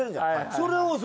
それをさ